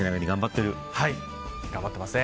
頑張っていますね。